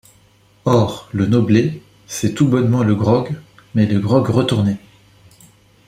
Or, le nobler, c’est tout bonnement le grog, mais le grog retourné.